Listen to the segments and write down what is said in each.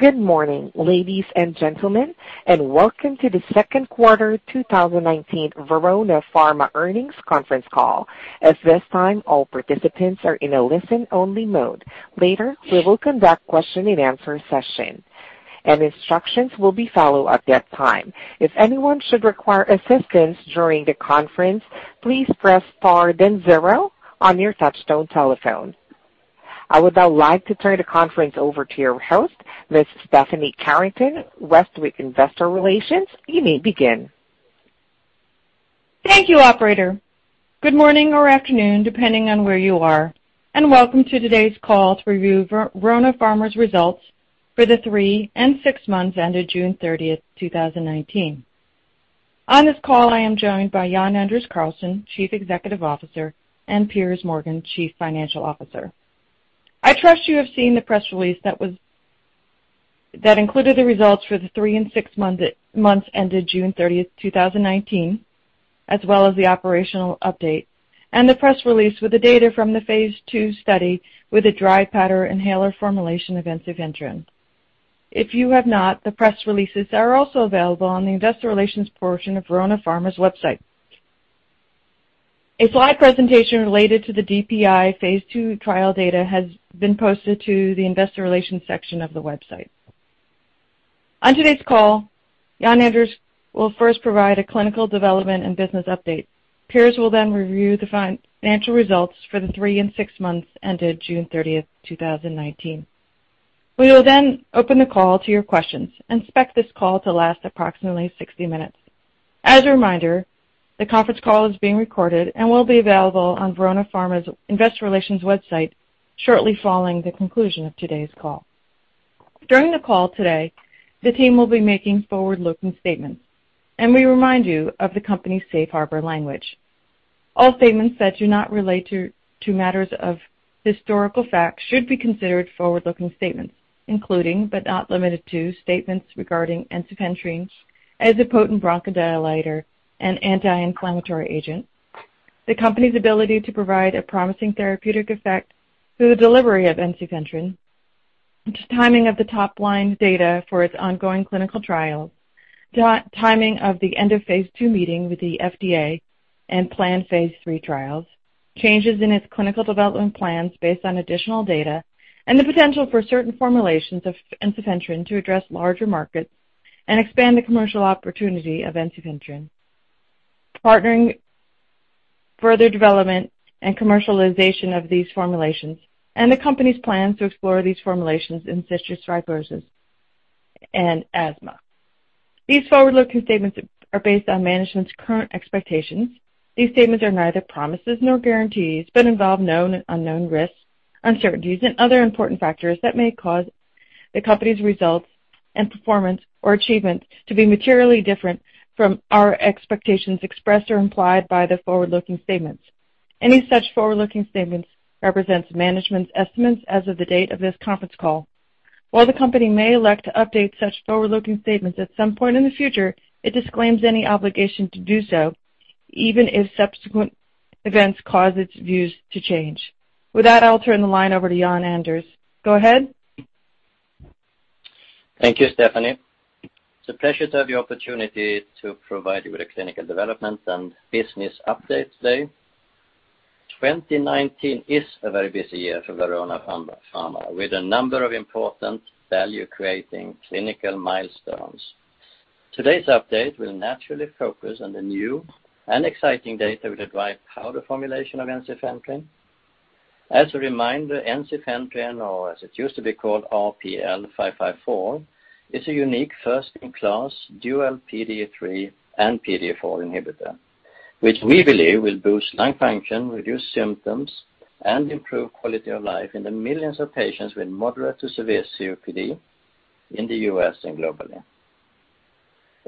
Good morning, ladies and gentlemen, welcome to the second quarter 2019 Verona Pharma earnings conference call. At this time, all participants are in a listen-only mode. Later, we will conduct question and answer session, instructions will be followed at that time. If anyone should require assistance during the conference, please press Star then zero on your touchtone telephone. I would now like to turn the conference over to your host, Miss Stephanie Carrington, Westwicke Investor Relations. You may begin. Thank you, operator. Good morning or afternoon, depending on where you are, and welcome to today's call to review Verona Pharma's results for the three and six months ended June 30th, 2019. On this call, I am joined by Jan-Anders Karlsson, Chief Executive Officer, and Piers Morgan, Chief Financial Officer. I trust you have seen the press release that included the results for the three and six months ended June 30th, 2019, as well as the operational update, and the press release with the data from the phase II study with the dry powder inhaler formulation of ensifentrine. If you have not, the press releases are also available on the investor relations portion of Verona Pharma's website. A slide presentation related to the DPI phase II trial data has been posted to the investor relations section of the website. On today's call, Jan-Anders will first provide a clinical development and business update. Piers will then review the financial results for the three and six months ended June 30th, 2019. We will then open the call to your questions, and expect this call to last approximately 60 minutes. As a reminder, the conference call is being recorded and will be available on Verona Pharma's investor relations website shortly following the conclusion of today's call. During the call today, the team will be making forward-looking statements, and we remind you of the company's safe harbor language. All statements that do not relate to matters of historical fact should be considered forward-looking statements, including, but not limited to, statements regarding ensifentrine as a potent bronchodilator and anti-inflammatory agent. The company's ability to provide a promising therapeutic effect through the delivery of ensifentrine. Timing of the top-line data for its ongoing clinical trials. Timing of the end of phase II meeting with the FDA and planned phase III trials. Changes in its clinical development plans based on additional data, and the potential for certain formulations of ensifentrine to address larger markets and expand the commercial opportunity of ensifentrine. Partnering further development and commercialization of these formulations. The company's plans to explore these formulations in cystic fibrosis and asthma. These forward-looking statements are based on management's current expectations. These statements are neither promises nor guarantees, but involve known and unknown risks, uncertainties, and other important factors that may cause the company's results and performance or achievements to be materially different from our expectations expressed or implied by the forward-looking statements. Any such forward-looking statements represents management's estimates as of the date of this conference call. While the company may elect to update such forward-looking statements at some point in the future, it disclaims any obligation to do so, even if subsequent events cause its views to change. With that, I'll turn the line over to Jan-Anders. Go ahead. Thank you, Stephanie. It's a pleasure to have the opportunity to provide you with a clinical development and business update today. 2019 is a very busy year for Verona Pharma, with a number of important value-creating clinical milestones. Today's update will naturally focus on the new and exciting data with the dry powder formulation of ensifentrine. As a reminder, ensifentrine, or as it used to be called, RPL554, is a unique first-in-class dual PDE3 and PDE4 inhibitor, which we believe will boost lung function, reduce symptoms, and improve quality of life in the millions of patients with moderate to severe COPD in the U.S. and globally.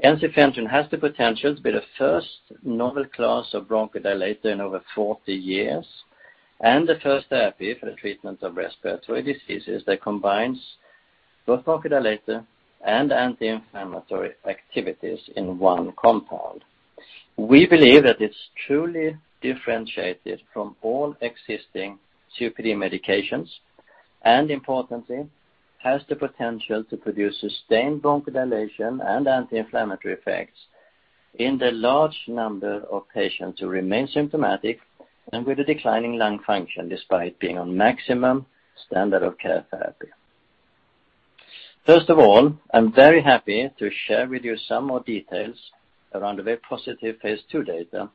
Ensifentrine has the potential to be the first novel class of bronchodilator in over 40 years and the first therapy for the treatment of respiratory diseases that combines both bronchodilator and anti-inflammatory activities in one compound. We believe that it's truly differentiated from all existing COPD medications, and importantly, has the potential to produce sustained bronchodilation and anti-inflammatory effects in the large number of patients who remain symptomatic and with a declining lung function despite being on maximum standard of care therapy. First of all, I'm very happy to share with you some more details around the very positive phase II data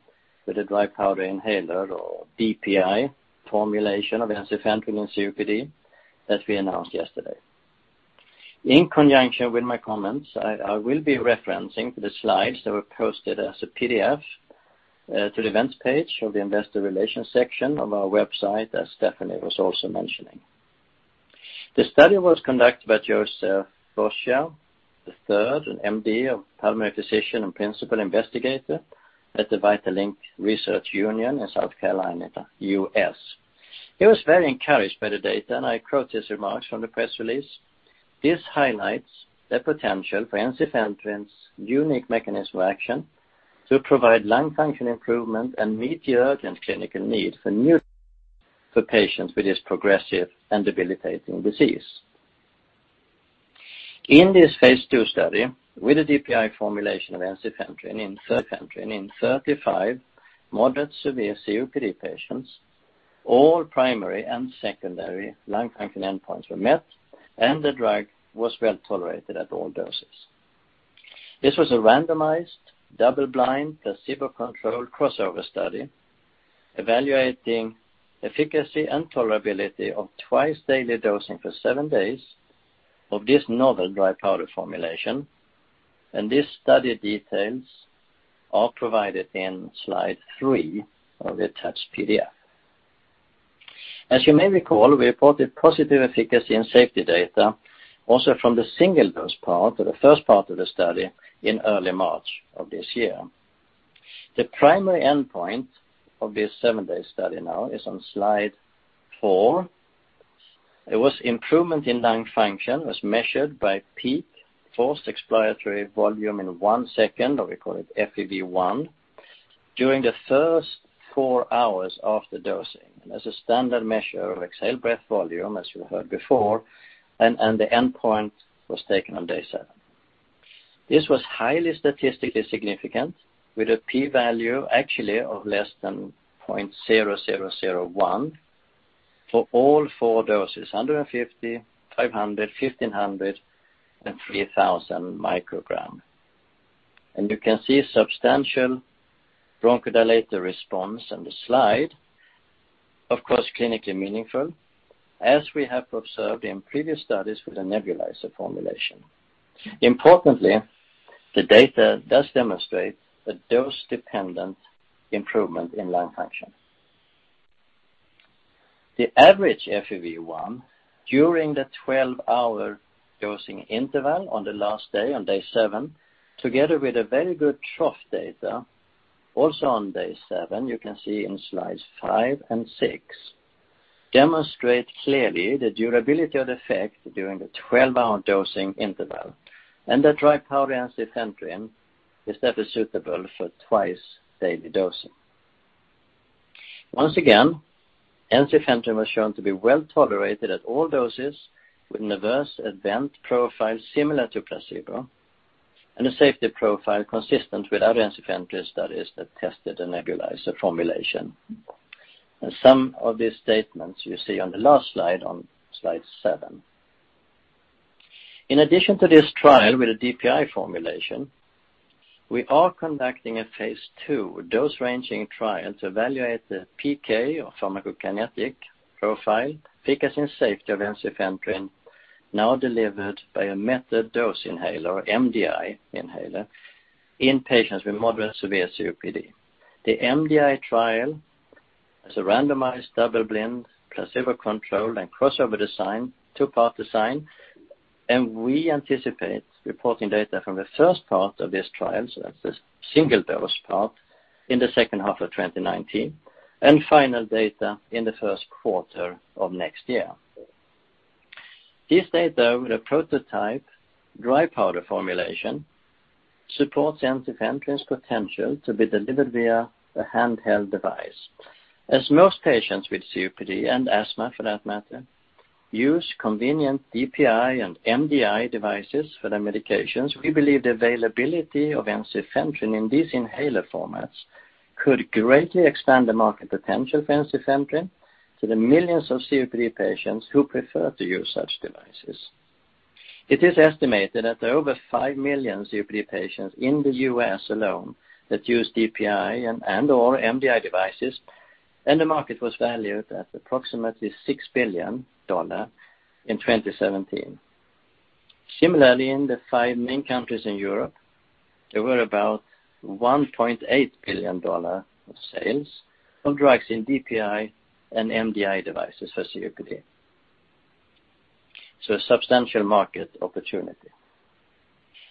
with the dry powder inhaler or DPI formulation of ensifentrine in COPD that we announced yesterday. In conjunction with my comments, I will be referencing the slides that were posted as a PDF to the events page of the investor relations section of our website, as Stephanie was also mentioning. The study was conducted by Joseph Boscia III, M.D., a pulmonary physician and principal investigator at the VitaLink Research unit in South Carolina, U.S. He was very encouraged by the data. I quote his remarks from the press release. "This highlights the potential for ensifentrine's unique mechanism of action to provide lung function improvement and meet the urgent clinical need for patients with this progressive and debilitating disease." In this phase II study with a DPI formulation of ensifentrine in 35 moderate severe COPD patients, all primary and secondary lung function endpoints were met, and the drug was well-tolerated at all doses. This was a randomized double-blind placebo-controlled crossover study evaluating efficacy and tolerability of twice-daily dosing for 7 days of this novel dry powder formulation. This study details are provided in slide three of the attached PDF. As you may recall, we reported positive efficacy and safety data also from the single-dose part or the first part of the study in early March of this year. The primary endpoint of this seven-day study now is on slide four. It was improvement in lung function as measured by peak forced expiratory volume in one second, or we call it FEV1, during the first four hours after dosing. As a standard measure of exhaled breath volume, as you heard before, the endpoint was taken on day seven. This was highly statistically significant with a p-value actually of less than 0.0001 for all four doses, 150, 500, 1,500, and 3,000 micrograms. You can see substantial bronchodilator response on the slide. Of course, clinically meaningful, as we have observed in previous studies with the nebulizer formulation. Importantly, the data does demonstrate a dose-dependent improvement in lung function. The average FEV1 during the 12-hour dosing interval on the last day, on day seven, together with a very good trough data, also on day seven, you can see in slides five and six, demonstrate clearly the durability of the effect during the 12-hour dosing interval, and that dry powder ensifentrine is therefore suitable for twice-daily dosing. Once again, ensifentrine was shown to be well-tolerated at all doses with an adverse event profile similar to placebo, and a safety profile consistent with other ensifentrine studies that tested the nebulizer formulation. Some of these statements you see on the last slide, on slide seven. In addition to this trial with a DPI formulation, we are conducting a phase II dose-ranging trial to evaluate the PK or pharmacokinetic profile, efficacy, and safety of ensifentrine, now delivered by a metered dose inhaler or MDI inhaler in patients with moderate severe COPD. The MDI trial is a randomized double-blind, placebo-controlled, and crossover design, two-part design, and we anticipate reporting data from the first part of this trial, so that's the single-dose part, in the second half of 2019, and final data in the first quarter of 2020. This data with a prototype dry powder formulation supports ensifentrine's potential to be delivered via a handheld device. As most patients with COPD and asthma, for that matter, use convenient DPI and MDI devices for their medications, we believe the availability of ensifentrine in these inhaler formats could greatly expand the market potential for ensifentrine to the millions of COPD patients who prefer to use such devices. It is estimated that over 5 million COPD patients in the U.S. alone that use DPI and/or MDI devices, and the market was valued at approximately $6 billion in 2017. Similarly, in the five main countries in Europe, there were about GBP 1.8 billion of sales of drugs in DPI and MDI devices for COPD. A substantial market opportunity.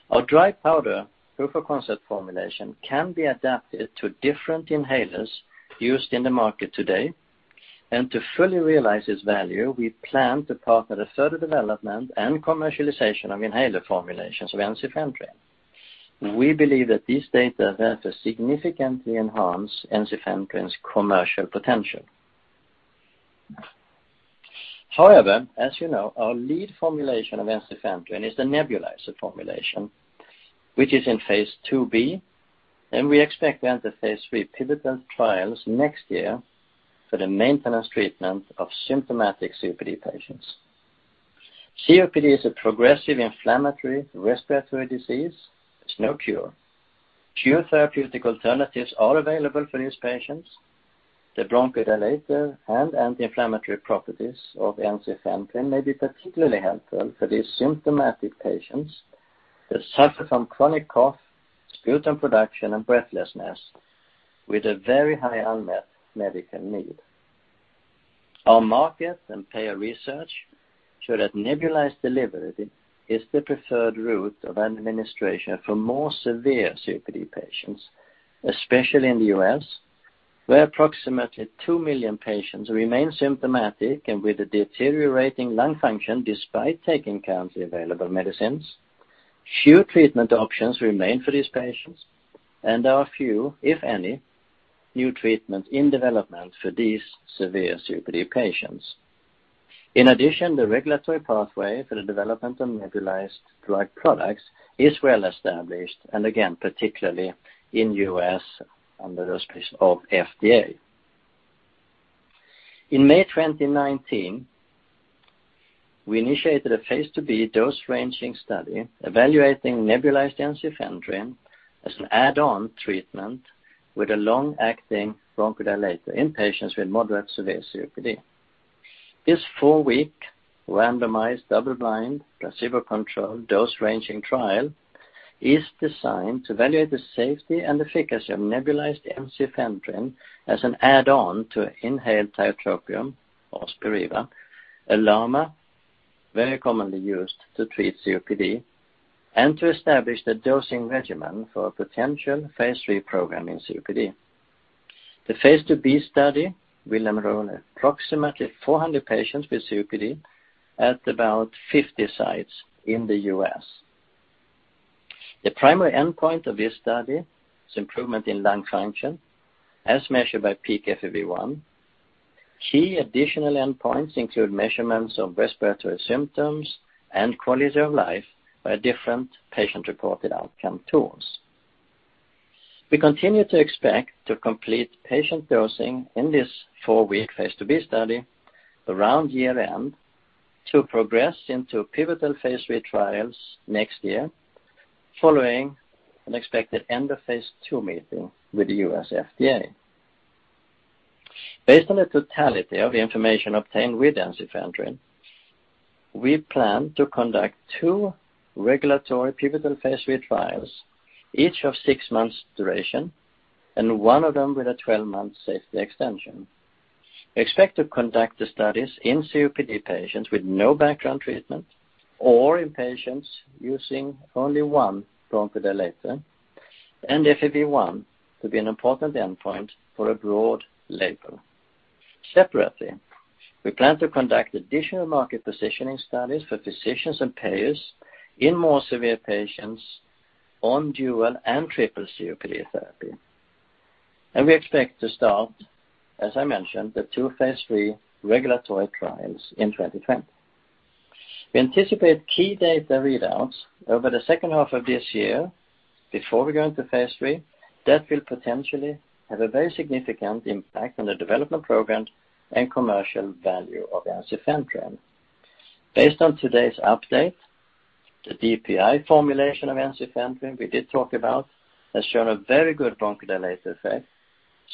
Our dry powder proof-of-concept formulation can be adapted to different inhalers used in the market today. To fully realize its value, we plan to partner the further development and commercialization of inhaler formulations of ensifentrine. We believe that this data therefore significantly enhance ensifentrine's commercial potential. However, as you know, our lead formulation of ensifentrine is the nebulizer formulation, which is in phase IIB. We expect to enter phase III pivotal trials next year for the maintenance treatment of symptomatic COPD patients. COPD is a progressive inflammatory respiratory disease. There's no cure. Few therapeutic alternatives are available for these patients. The bronchodilator and anti-inflammatory properties of ensifentrine may be particularly helpful for these symptomatic patients that suffer from chronic cough, sputum production, and breathlessness with a very high unmet medical need. Our market and payer research show that nebulized delivery is the preferred route of administration for more severe COPD patients, especially in the U.S., where approximately 2 million patients remain symptomatic and with a deteriorating lung function despite taking currently available medicines. Few treatment options remain for these patients, and there are few, if any, new treatments in development for these severe COPD patients. In addition, the regulatory pathway for the development of nebulized drug products is well established, and again, particularly in U.S. under the auspices of FDA. In May 2019, we initiated a phase IIb dose-ranging study evaluating nebulized ensifentrine as an add-on treatment with a long-acting bronchodilator in patients with moderate severe COPD. This four-week randomized, double-blind, placebo-controlled dose-ranging trial is designed to evaluate the safety and efficacy of nebulized ensifentrine as an add-on to inhaled tiotropium, or Spiriva, a LAMA very commonly used to treat COPD, and to establish the dosing regimen for a potential phase III program in COPD. The phase IIb study will enroll approximately 400 patients with COPD at about 50 sites in the U.S. The primary endpoint of this study is improvement in lung function as measured by peak FEV1. Key additional endpoints include measurements of respiratory symptoms and quality of life by different patient-reported outcome tools. We continue to expect to complete patient dosing in this four-week phase IIb study around year-end to progress into pivotal phase III trials next year, following an expected end of phase II meeting with the U.S. FDA. Based on the totality of the information obtained with ensifentrine, we plan to conduct two regulatory pivotal phase III trials, each of 6 months duration, and one of them with a 12-month safety extension. We expect to conduct the studies in COPD patients with no background treatment or in patients using only one bronchodilator, and FEV1 to be an important endpoint for a broad label. Separately, we plan to conduct additional market positioning studies for physicians and payers in more severe patients on dual and triple COPD therapy. We expect to start, as I mentioned, the two phase III regulatory trials in 2020. We anticipate key data readouts over the second half of this year before we go into phase III that will potentially have a very significant impact on the development program and commercial value of ensifentrine. Based on today's update, the DPI formulation of ensifentrine we did talk about has shown a very good bronchodilator effect,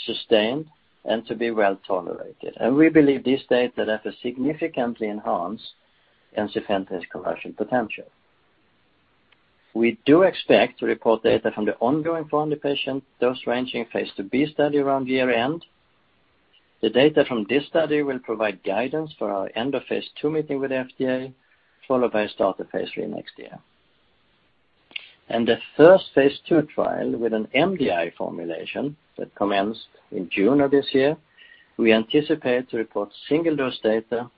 sustained and to be well-tolerated. We believe this data set has significantly enhanced ensifentrine's commercial potential. We do expect to report data from the ongoing form of the patient dose-ranging Phase IIb study around year-end. The data from this study will provide guidance for our end of Phase II meeting with the FDA, followed by a start of Phase III next year. The first Phase II trial with an MDI formulation that commenced in June of this year, we anticipate to report single-dose data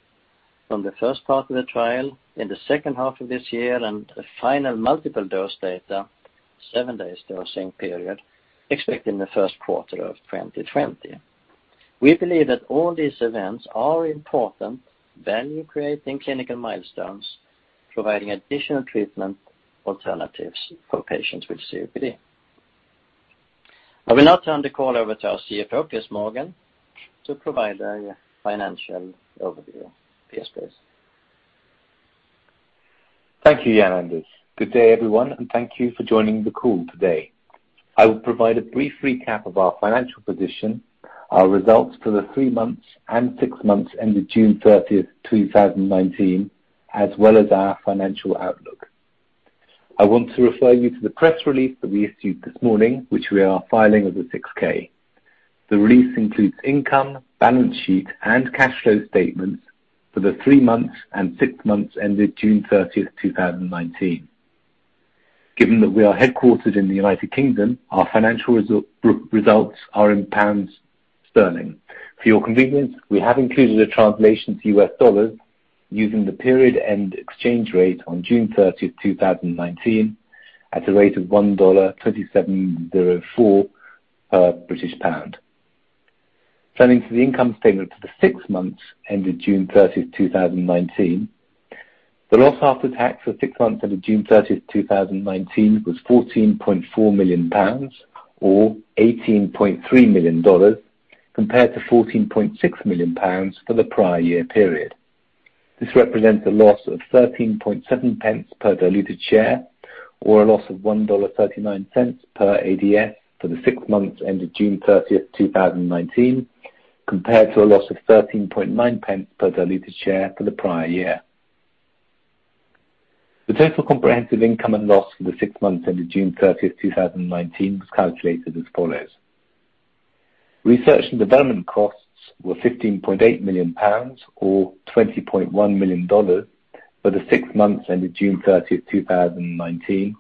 from the first part of the trial in the second half of this year and the final multiple dose data, 7 days dosing period, expected in the first quarter of 2020. We believe that all these events are important value-creating clinical milestones providing additional treatment alternatives for patients with COPD. I will now turn the call over to our CFO, Piers Morgan, to provide a financial overview. Piers, please. Thank you, Jan-Anders. Good day, everyone, and thank you for joining the call today. I will provide a brief recap of our financial position, our results for the three months and six months ended June 30th, 2019, as well as our financial outlook. I want to refer you to the press release that we issued this morning, which we are filing as a 6-K. The release includes income, balance sheet, and cash flow statements for the three months and six months ended June 30th, 2019. Given that we are headquartered in the U.K., our financial results are in pounds sterling. For your convenience, we have included a translation to US dollars using the period end exchange rate on June 30th, 2019, at a rate of $1.2704 per British pound. Turning to the income statement for the six months ended June 30th, 2019, the loss after tax for six months ended June 30th, 2019, was 14.4 million pounds, or $18.3 million, compared to 14.6 million pounds for the prior year period. This represents a loss of 0.137 per diluted share, or a loss of $1.39 per ADS for the six months ended June 30th, 2019, compared to a loss of 0.139 per diluted share for the prior year. The total comprehensive income and loss for the six months ended June 30th, 2019, was calculated as follows. Research and development costs were 15.8 million pounds, or $20.1 million, for the six months ended June 30, 2019,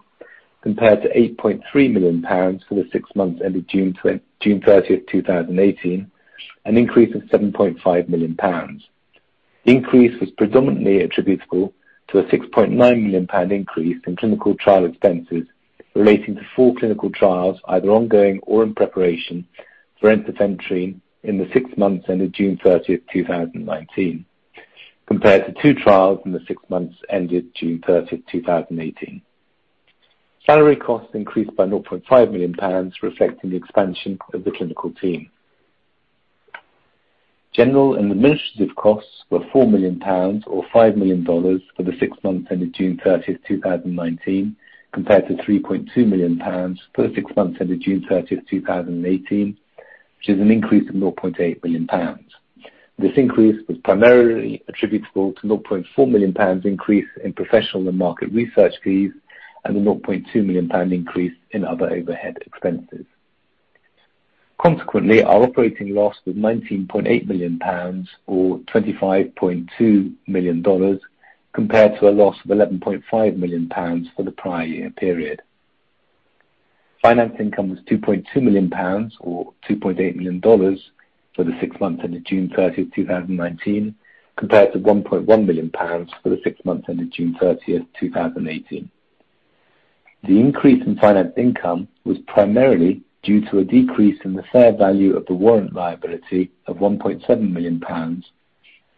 compared to 8.3 million pounds for the six months ended June 30, 2018, an increase of 7.5 million pounds. The increase was predominantly attributable to a 6.9 million pound increase in clinical trial expenses relating to four clinical trials, either ongoing or in preparation for ensifentrine in the six months ended June 30, 2019, compared to two trials in the six months ended June 30, 2018. Salary costs increased by 0.5 million pounds, reflecting the expansion of the clinical team. General and administrative costs were 4 million pounds or $5 million for the six months ended June 30, 2019, compared to 3.2 million pounds for the six months ended June 30, 2018, which is an increase of 0.8 million pounds. This increase was primarily attributable to 0.4 million pounds increase in professional and market research fees and a 0.2 million pound increase in other overhead expenses. Consequently, our operating loss was GBP 19.8 million or $25.2 million, compared to a loss of 11.5 million pounds for the prior year period. Finance income was GBP 2.2 million or $2.8 million for the six months ended June 30th, 2019, compared to 1.1 million pounds for the six months ended June 30th, 2018. The increase in finance income was primarily due to a decrease in the fair value of the warrant liability of 1.7 million pounds,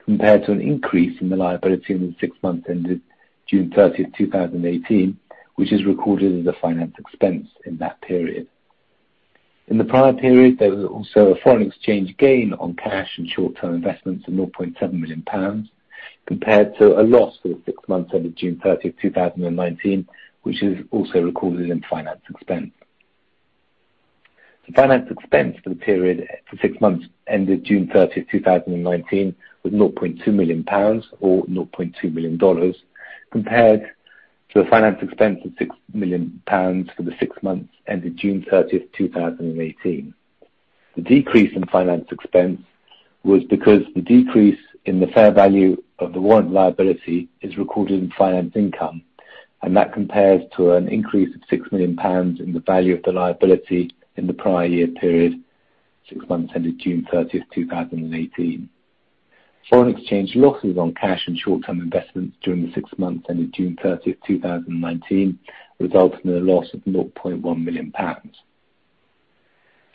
compared to an increase in the liability in the six months ended June 30th, 2018, which is recorded as a finance expense in that period. In the prior period, there was also a foreign exchange gain on cash and short-term investments of 0.7 million pounds, compared to a loss for the six months ended June 30th, 2019, which is also recorded in finance expense. The finance expense for the period for six months ended June 30th, 2019, was 0.2 million pounds or USD 0.2 million, compared to a finance expense of 6 million pounds for the six months ended June 30th, 2018. The decrease in finance expense was because the decrease in the fair value of the warrant liability is recorded in finance income, and that compares to an increase of 6 million pounds in the value of the liability in the prior year period, six months ended June 30th, 2018. Foreign exchange losses on cash and short-term investments during the six months ended June 30th, 2019, resulted in a loss of 0.1 million pounds.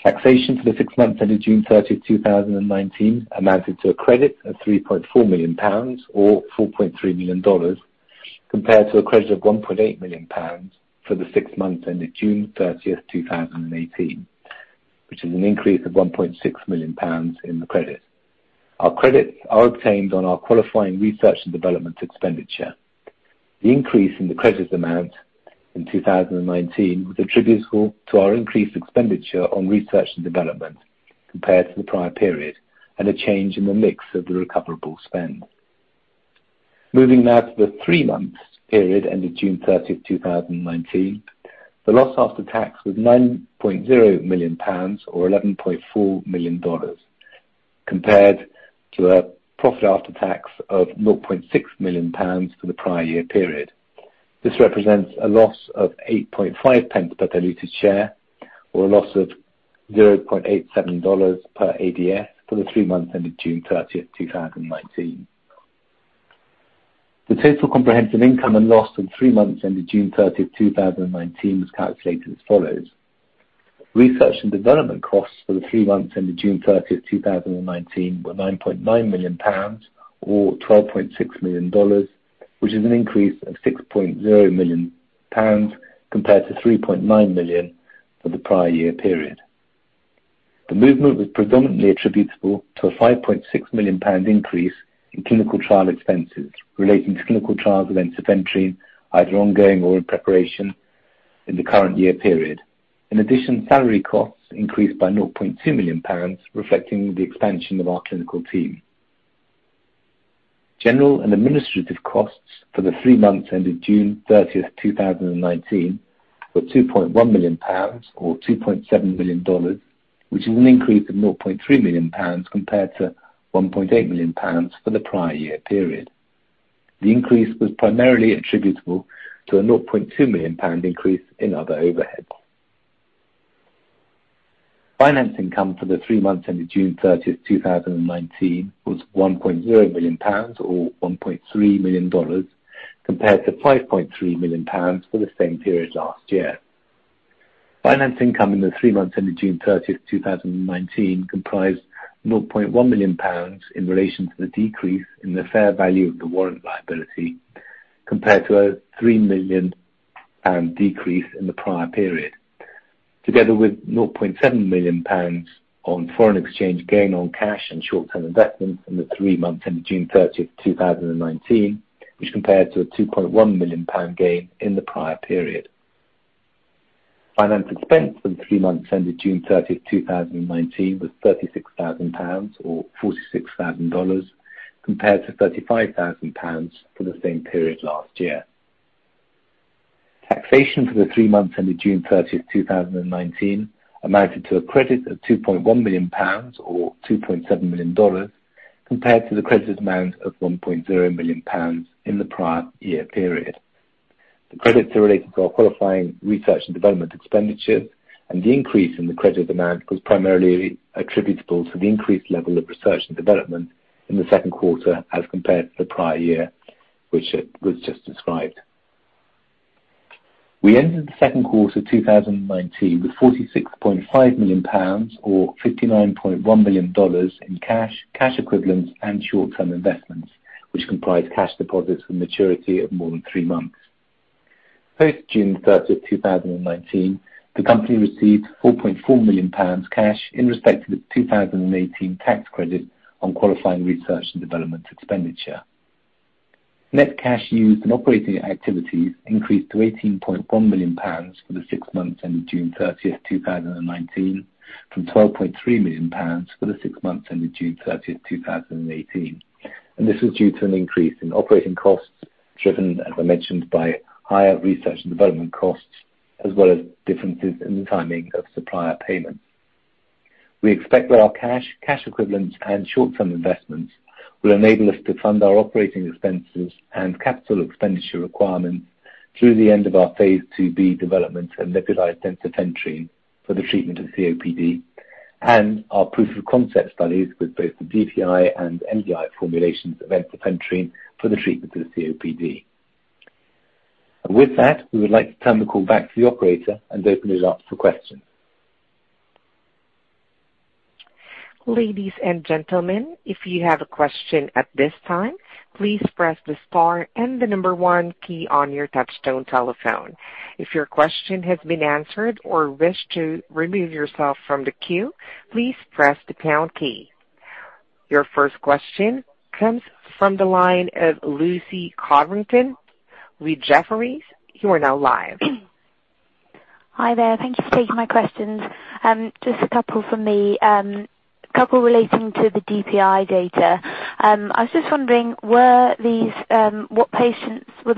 Taxation for the six months ended June 30th, 2019, amounted to a credit of 3.4 million pounds or $4.3 million, compared to a credit of 1.8 million pounds for the six months ended June 30th, 2018, which is an increase of 1.6 million pounds in the credit. Our credits are obtained on our qualifying research and development expenditure. The increase in the credit amount in 2019 was attributable to our increased expenditure on research and development compared to the prior period and a change in the mix of the recoverable spend. Moving now to the three months period ended June 30th, 2019. The loss after tax was 9.0 million pounds or $11.4 million, compared to a profit after tax of 0.6 million pounds for the prior year period. This represents a loss of 0.085 per diluted share or a loss of $0.87 per ADS for the three months ended June 30th, 2019. The total comprehensive income and loss from three months ended June 30th, 2019, was calculated as follows. Research and development costs for the three months ended June 30th, 2019, were 9.9 million pounds or $12.6 million, which is an increase of 6.0 million pounds compared to 3.9 million for the prior year period. The movement was predominantly attributable to a 5.6 million pound increase in clinical trial expenses relating to clinical trials with ensifentrine, either ongoing or in preparation in the current year period. In addition, salary costs increased by 0.2 million pounds, reflecting the expansion of our clinical team. General and administrative costs for the three months ended June 30th, 2019, were GBP 2.1 million or $2.7 million, which is an increase of 0.3 million pounds compared to 1.8 million pounds for the prior year period. The increase was primarily attributable to a 0.2 million pound increase in other overheads. Finance income for the three months ended June 30th, 2019, was 1.0 million pounds or $1.3 million, compared to 5.3 million pounds for the same period last year. Finance income in the three months ended June 30th, 2019, comprised 0.1 million pounds in relation to the decrease in the fair value of the warrant liability, compared to a 3 million pound decrease in the prior period, together with 0.7 million pounds on foreign exchange gain on cash and short-term investments in the three months ended June 30th, 2019, which compared to a 2.1 million pound gain in the prior period. Finance expense for the three months ended June 30th, 2019, was 36,000 pounds or $46,000, compared to 35,000 pounds for the same period last year. Taxation for the three months ended June 30th, 2019, amounted to a credit of 2.1 million pounds or $2.7 million, compared to the credit amount of 1.0 million pounds in the prior year period. The credits are related to our qualifying research and development expenditure, the increase in the credit amount was primarily attributable to the increased level of research and development in the second quarter as compared to the prior year, which was just described. We ended the second quarter of 2019 with 46.5 million pounds or $59.1 million in cash equivalents, and short-term investments, which comprise cash deposits with maturity of more than three months. Post June 30th, 2019, the company received GBP 4.4 million cash in respect of its 2018 tax credit on qualifying research and development expenditure. Net cash used in operating activities increased to 18.1 million pounds for the six months ended June 30th, 2019, from 12.3 million pounds for the six months ended June 30th, 2018. This was due to an increase in operating costs driven, as I mentioned, by higher research and development costs, as well as differences in the timing of supplier payments. We expect that our cash equivalents, and short-term investments will enable us to fund our operating expenses and capital expenditure requirements through the end of our phase II-B development of nebulized ensifentrine for the treatment of COPD, and our proof-of-concept studies with both the DPI and MDI formulations of ensifentrine for the treatment of COPD. With that, we would like to turn the call back to the operator and open it up for questions. Ladies and gentlemen, if you have a question at this time, please press the star and the number one key on your touchtone telephone. If your question has been answered or wish to remove yourself from the queue, please press the pound key. Your first question comes from the line of Lucy Codrington with Jefferies. You are now live. Hi there. Thank you for taking my questions. Just a couple from me. A couple relating to the DPI data. I was just wondering, were the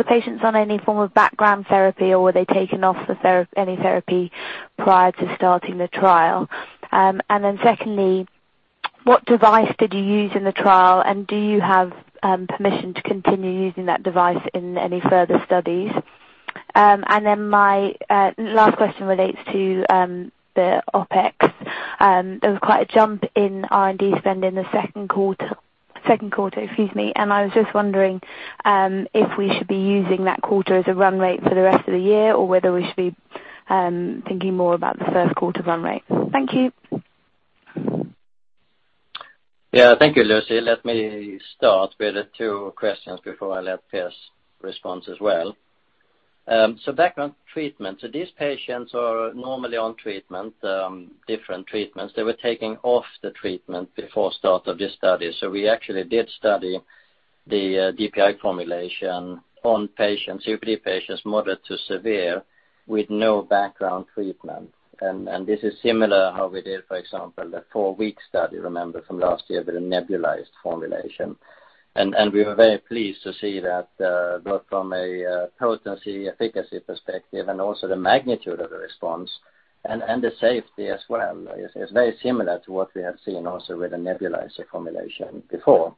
patients on any form of background therapy, or were they taken off any therapy prior to starting the trial? Secondly, what device did you use in the trial, and do you have permission to continue using that device in any further studies? My last question relates to the OPEX. There was quite a jump in R&D spend in the second quarter, and I was just wondering if we should be using that quarter as a run rate for the rest of the year, or whether we should be thinking more about the first quarter run rate. Thank you. Yeah. Thank you, Lucy. Let me start with the two questions before I let Piers respond as well. Background treatment. These patients are normally on treatment, different treatments. They were taken off the treatment before start of this study. We actually did study the DPI formulation on COPD patients, moderate to severe, with no background treatment. This is similar how we did, for example, the four-week study, remember, from last year with the nebulized formulation. We were very pleased to see that both from a potency efficacy perspective and also the magnitude of the response and, the safety as well is very similar to what we have seen also with the nebulizer formulation before.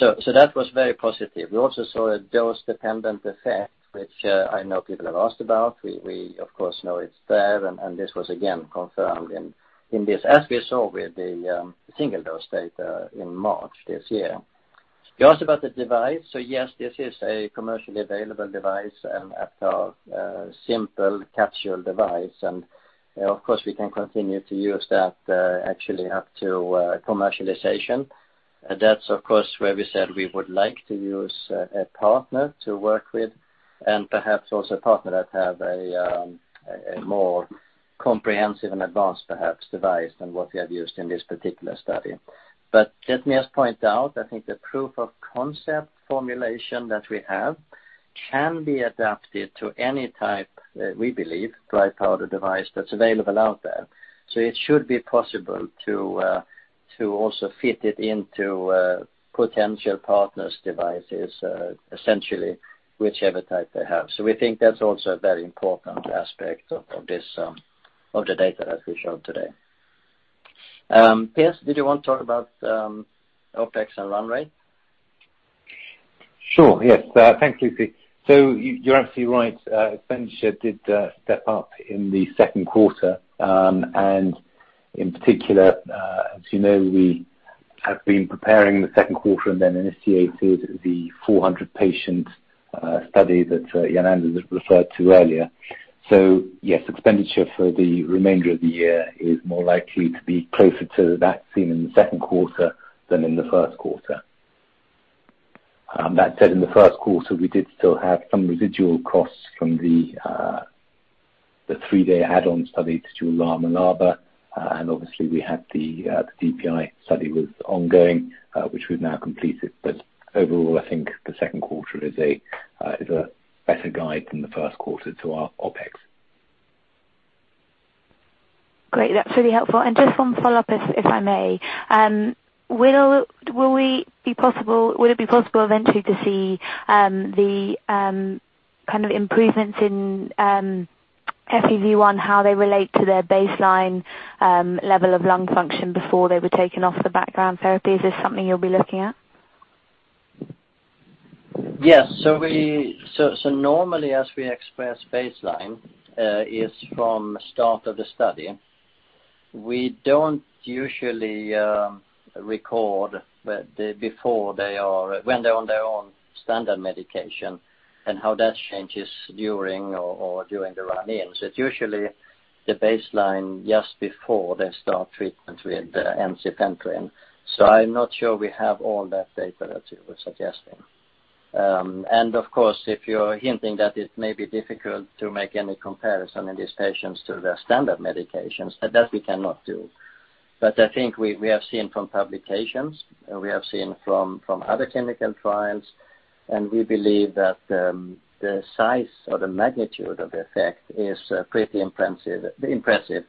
That was very positive. We also saw a dose-dependent effect, which I know people have asked about. We of course know it's there, this was again confirmed in this, as we saw with the single-dose data in March this year. Just about the device. Yes, this is a commercially available device and a simple capsule device. Of course, we can continue to use that actually up to commercialization. That's of course where we said we would like to use a partner to work with and perhaps also a partner that have a more comprehensive and advanced, perhaps, device than what we have used in this particular study. Let me just point out, I think the proof of concept formulation that we have can be adapted to any type, we believe, dry powder device that's available out there. It should be possible to also fit it into potential partners' devices, essentially whichever type they have. We think that's also a very important aspect of the data that we showed today. Piers, did you want to talk about OpEx and run rate? Sure. Yes. Thanks, Lucy. You're absolutely right. Expenditure did step up in the second quarter. In particular, as you know, we have been preparing the second quarter, initiated the 400-patient study that Jan-Anders referred to earlier. Yes, expenditure for the remainder of the year is more likely to be closer to that seen in the second quarter than in the first quarter. That said, in the first quarter, we did still have some residual costs from the three-day add-on study to LAMA/LABA. Obviously we had the DPI study was ongoing, which we've now completed. Overall, I think the second quarter is a better guide than the first quarter to our OPEX. Great. That's really helpful. Just one follow-up, if I may. Will it be possible eventually to see the kind of improvements in. Have a view on how they relate to their baseline level of lung function before they were taken off the background therapies. Is this something you'll be looking at? Yes. Normally, as we express baseline, is from start of the study. We don't usually record when they're on their own standard medication and how that changes during the run-ins. It's usually the baseline just before they start treatment with the ensifentrine. I'm not sure we have all that data that you were suggesting. Of course, if you're hinting that it may be difficult to make any comparison in these patients to their standard medications, that we cannot do. I think we have seen from publications, we have seen from other clinical trials, and we believe that the size or the magnitude of the effect is pretty impressive,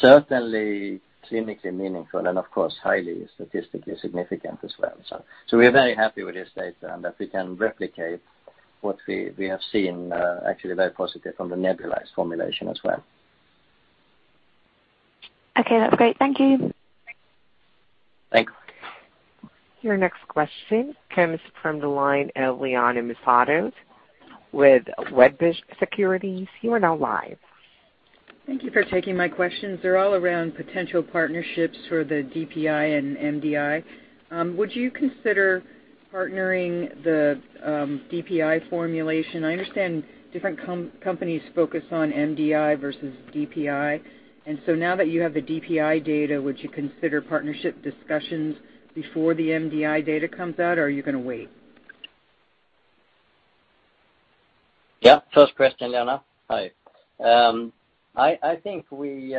certainly clinically meaningful, and of course highly statistically significant as well. We are very happy with this data and that we can replicate what we have seen actually very positive from the nebulized formulation as well. Okay. That's great. Thank you. Thanks. Your next question comes from the line of Liana Moussatos with Wedbush Securities. You are now live. Thank you for taking my questions. They're all around potential partnerships for the DPI and MDI. Would you consider partnering the DPI formulation? I understand different companies focus on MDI versus DPI. Now that you have the DPI data, would you consider partnership discussions before the MDI data comes out, or are you going to wait? Yeah. First question, Liana. Hi. I think we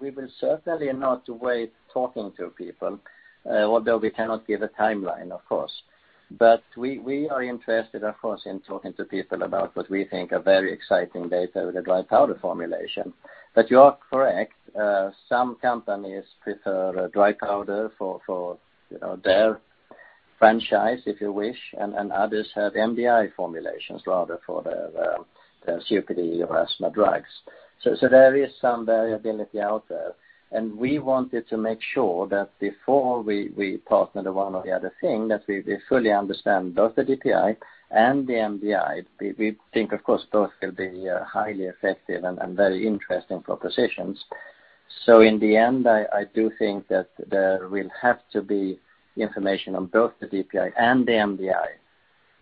will certainly not wait talking to people, although we cannot give a timeline, of course. We are interested, of course, in talking to people about what we think are very exciting data with the dry powder formulation. You are correct. Some companies prefer dry powder for their franchise, if you wish, and others have MDI formulations rather for their COPD or asthma drugs. There is some variability out there, and we wanted to make sure that before we partner the one or the other thing, that we fully understand both the DPI and the MDI. We think, of course, both will be highly effective and very interesting propositions. In the end, I do think that there will have to be information on both the DPI and the MDI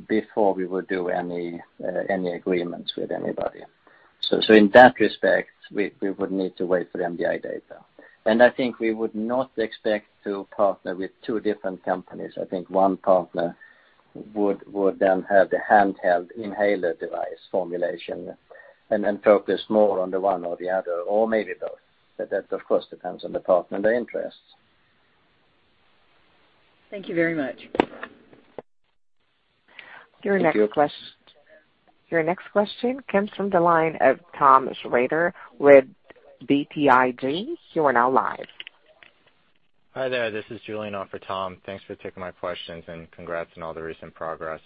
before we will do any agreements with anybody. In that respect, we would need to wait for the MDI data. I think we would not expect to partner with two different companies. I think one partner would then have the handheld inhaler device formulation and focus more on the one or the other, or maybe both. That, of course, depends on the partner, their interests. Thank you very much. Thank you. Your next question comes from the line of Thomas Shrader with BTIG. You are now live. Hi there. This is Julian on for Tom. Thanks for taking my questions, and congrats on all the recent progress.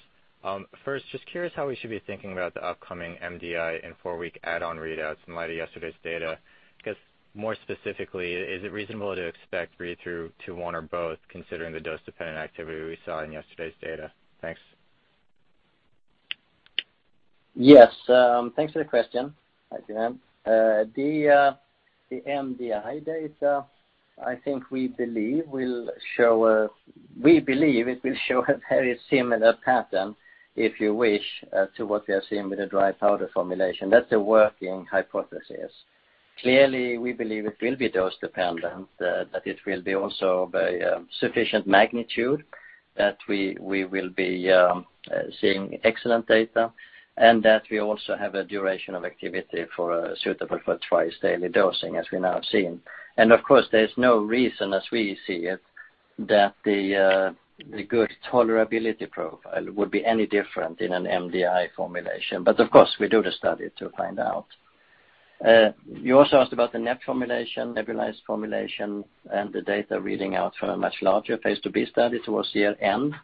First, just curious how we should be thinking about the upcoming MDI and four-week add-on readouts in light of yesterday's data. I guess more specifically, is it reasonable to expect read-through to one or both, considering the dose-dependent activity we saw in yesterday's data? Thanks. Yes. Thanks for the question. Hi, Julian. The MDI data, I think we believe it will show a very similar pattern, if you wish, to what we are seeing with the dry powder formulation. That's a working hypothesis. Clearly, we believe it will be dose-dependent, that it will be also of a sufficient magnitude that we will be seeing excellent data, and that we also have a duration of activity suitable for twice-daily dosing as we now have seen. Of course, there's no reason, as we see it, that the good tolerability profile would be any different in an MDI formulation. Of course, we do the study to find out. You also asked about the net formulation, nebulized formulation, and the data reading out from a much larger Phase 2b study towards year-end.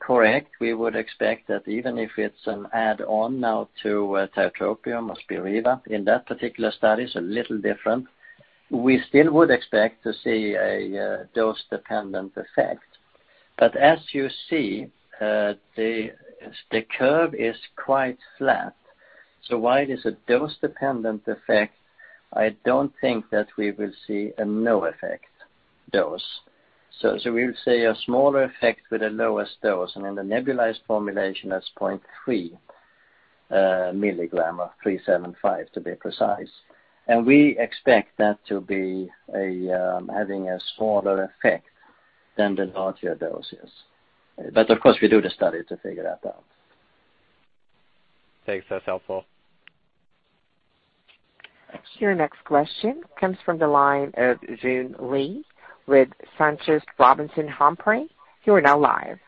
Correct, we would expect that even if it's an add-on now to tiotropium, Spiriva, in that particular study, it's a little different. We still would expect to see a dose-dependent effect. As you see, the curve is quite flat. While it is a dose-dependent effect, I don't think that we will see a no effect dose. We will see a smaller effect with the lowest dose, and in the nebulized formulation, that's 0.3 milligram of 375 to be precise. We expect that to be having a smaller effect than the larger doses. Of course, we do the study to figure that out. Thanks. That's helpful. Your next question comes from the line of Jun Lee with SunTrust Robinson Humphrey. You are now live.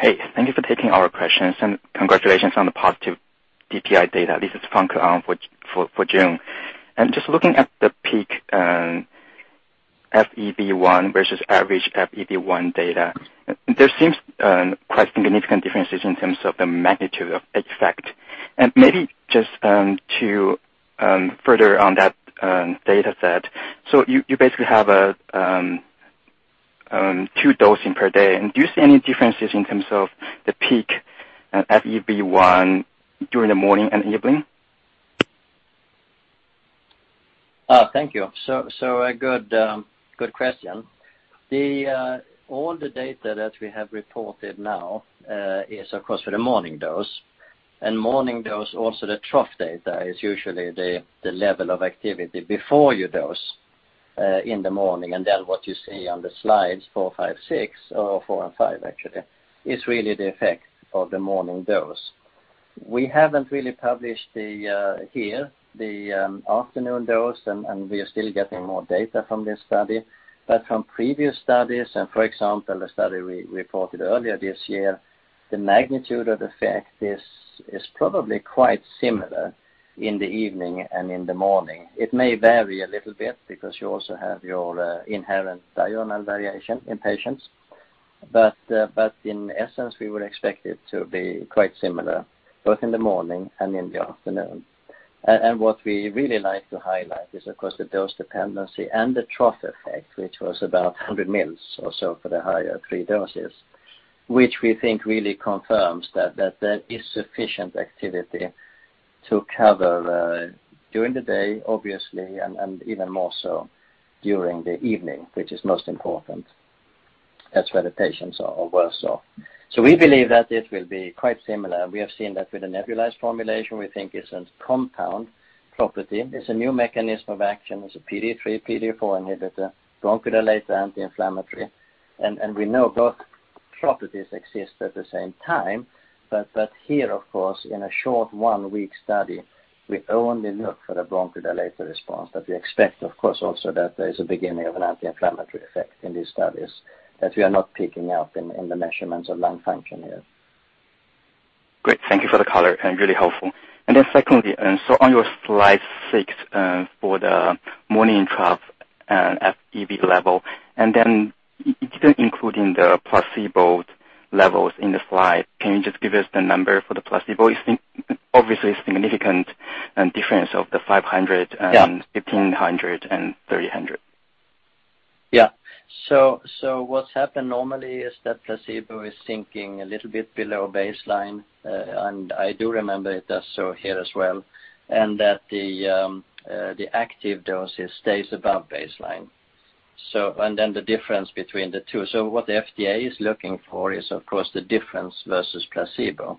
Thank you for taking our questions, congratulations on the positive DPI data. This is Frank on for Jun. Just looking at the peak FEV1 versus average FEV1 data. There seems quite significant differences in terms of the magnitude of effect. Maybe just to further on that dataset. You basically have two dosing per day. Do you see any differences in terms of the peak FEV1 during the morning and evening? Thank you. A good question. All the data that we have reported now is, of course, for the morning dose. Morning dose also the trough data is usually the level of activity before you dose in the morning. What you see on the slides four, five, six, or four and five actually is really the effect of the morning dose. We haven't really published here the afternoon dose and we are still getting more data from this study. From previous studies and for example, a study we reported earlier this year, the magnitude of effect is probably quite similar in the evening and in the morning. It may vary a little bit because you also have your inherent diurnal variation in patients. In essence, we would expect it to be quite similar, both in the morning and in the afternoon. What we really like to highlight is, of course, the dose dependency and the trough effect, which was about 100 mils or so for the higher three doses, which we think really confirms that there is sufficient activity to cover during the day, obviously, and even more so during the evening, which is most important. That's where the patients are worse off. We believe that it will be quite similar. We have seen that with the nebulized formulation, we think it's a compound property. It's a new mechanism of action as a PDE3, PDE4 inhibitor, bronchodilator, anti-inflammatory. We know both properties exist at the same time. Here, of course, in a short one-week study, we only look for the bronchodilator response. We expect, of course, also that there is a beginning of an anti-inflammatory effect in these studies that we are not picking up in the measurements of lung function here. Great. Thank you for the color and really helpful. Secondly, on your slide six, for the morning trough, FEV1 level, you didn't including the placebo levels in the slide. Can you just give us the number for the placebo? Obviously, significant difference of the 500. Yeah fifteen hundred and three hundred. What's happened normally is that placebo is sinking a little bit below baseline. I do remember it does so here as well, and that the active dosage stays above baseline. The difference between the two. What the FDA is looking for is, of course, the difference versus placebo,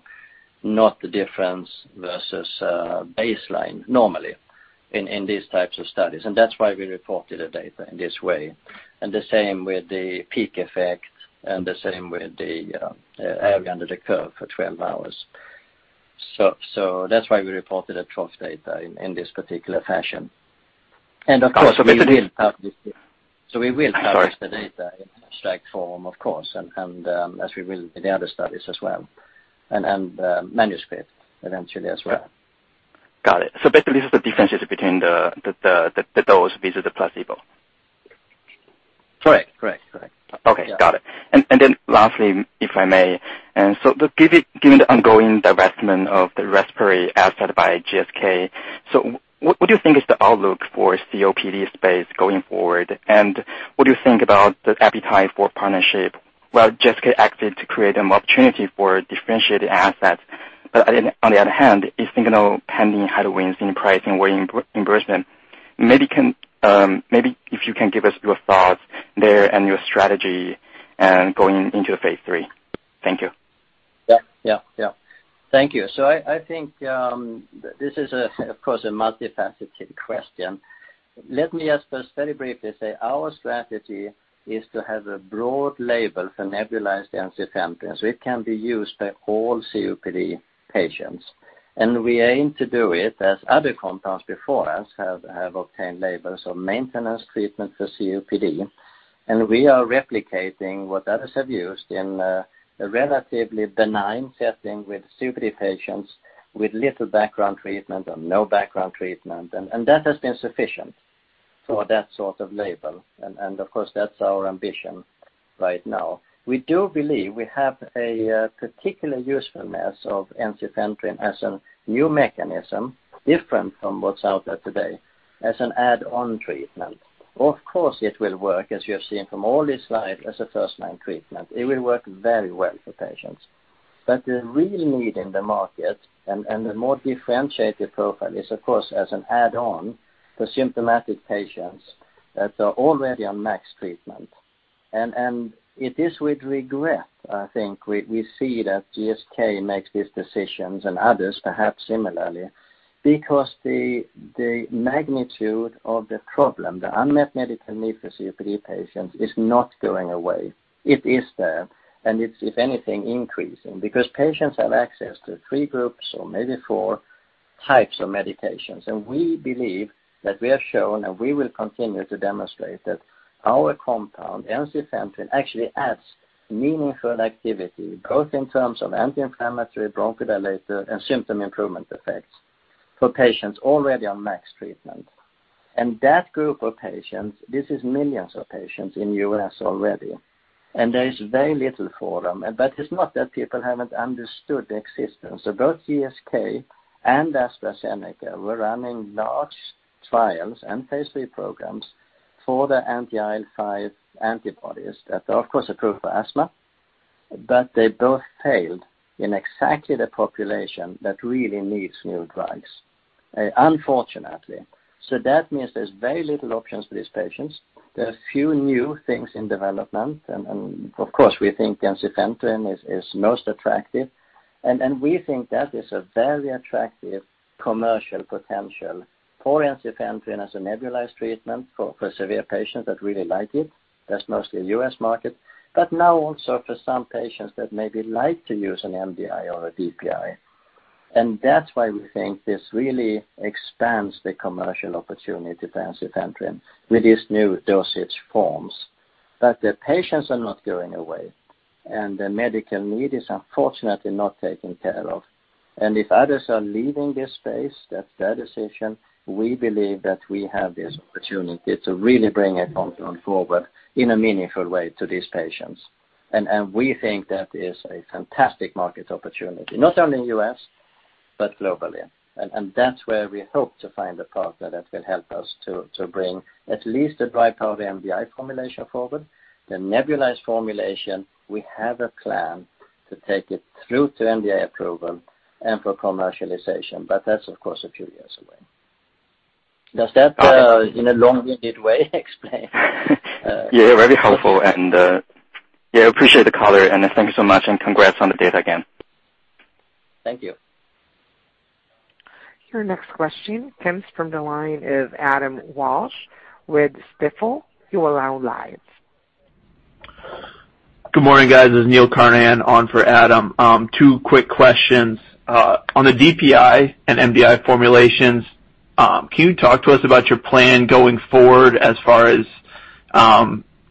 not the difference versus baseline normally in these types of studies. That's why we reported the data in this way. The same with the peak effect and the same with the area under the curve for 12 hours. That's why we reported a trough data in this particular fashion. Of course we will publish the data in abstract form, of course, and as we will in the other studies as well and manuscript eventually as well. Got it. Basically, the differences between the dose versus the placebo. Correct. Okay. Got it. Lastly, if I may, given the ongoing divestment of the respiratory asset by GSK, what do you think is the outlook for COPD space going forward? What do you think about the appetite for partnership? While GSK acted to create an opportunity for differentiated assets, but on the other hand, is signaling headwinds in pricing or reimbursement. Maybe if you can give us your thoughts there and your strategy and going into phase III. Thank you. Yeah. Thank you. I think this is, of course, a multifaceted question. Let me just very briefly say our strategy is to have a broad label for nebulized ensifentrine, so it can be used by all COPD patients. We aim to do it as other compounds before us have obtained labels of maintenance treatment for COPD. We are replicating what others have used in a relatively benign setting with COPD patients with little background treatment or no background treatment. That has been sufficient for that sort of label. Of course, that's our ambition right now. We do believe we have a particular usefulness of ensifentrine as a new mechanism, different from what's out there today, as an add-on treatment. Of course, it will work, as you have seen from all these slides, as a first-line treatment. It will work very well for patients. The real need in the market and the more differentiated profile is, of course, as an add-on for symptomatic patients that are already on max treatment. It is with regret, I think, we see that GSK makes these decisions and others perhaps similarly, because the magnitude of the problem, the unmet medical need for COPD patients is not going away. It is there and it's, if anything, increasing because patients have access to three groups or maybe four types of medications. We believe that we have shown and we will continue to demonstrate that our compound, ensifentrine, actually adds meaningful activity both in terms of anti-inflammatory, bronchodilator, and symptom improvement effects. For patients already on max treatment. That group of patients, this is millions of patients in U.S. already, and there is very little for them. It's not that people haven't understood the existence. Both GSK and AstraZeneca were running large trials and phase III programs for the anti-IL-5 antibodies that are, of course, approved for asthma, but they both failed in exactly the population that really needs new drugs, unfortunately. That means there's very little options for these patients. There are few new things in development, and of course, we think ensifentrine is most attractive, and we think that is a very attractive commercial potential for ensifentrine as a nebulized treatment for severe patients that really like it. That's mostly U.S. market, but now also for some patients that maybe like to use an MDI or a DPI. That's why we think this really expands the commercial opportunity for ensifentrine with these new dosage forms. The patients are not going away, and the medical need is unfortunately not taken care of. If others are leaving this space, that's their decision. We believe that we have this opportunity to really bring it forward in a meaningful way to these patients. We think that is a fantastic market opportunity, not only in U.S., but globally. That's where we hope to find a partner that will help us to bring at least a dry powder MDI formulation forward. The nebulized formulation, we have a plan to take it through to MDI approval and for commercialization, but that's, of course, a few years away. Does that, in a long-winded way, explain? Yeah. Very helpful. Yeah, appreciate the color, and thank you so much, and congrats on the data again. Thank you. Your next question comes from the line of Adam Walsh with Stifel. Your line live. Good morning, guys. This is Neil Carnahan on for Adam. Two quick questions. On the DPI and MDI formulations, can you talk to us about your plan going forward as far as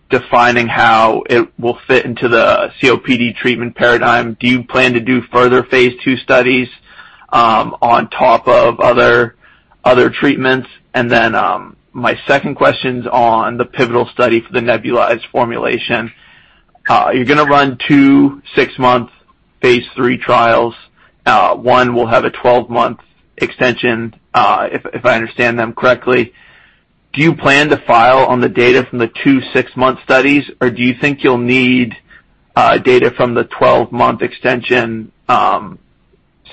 defining how it will fit into the COPD treatment paradigm? Do you plan to do further phase II studies on top of other treatments? My second question's on the pivotal study for the nebulized formulation. You're going to run two six-month phase III trials. One will have a 12-month extension, if I understand them correctly. Do you plan to file on the data from the two six-month studies, or do you think you'll need data from the 12-month extension